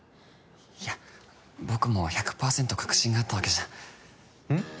いや僕も１００％確信があったわけじゃうん？